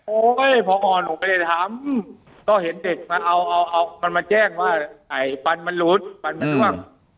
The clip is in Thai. โอ้ยพอหนูไปทำก็เห็นเด็กมาเอามันมาแจ้งว่าไอ้ฟันมันหลุดฟันมันท่วง